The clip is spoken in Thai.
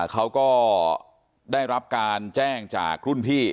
เขาก็ได้รับการแจ้งจากรุ่นพี่